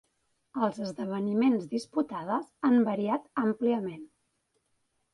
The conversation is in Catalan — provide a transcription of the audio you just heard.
Els esdeveniments disputades han variat àmpliament.